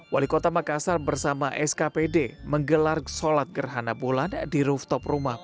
wali kota makassar bersama skpd menggelar sholat gerhana bulan di rooftop rumah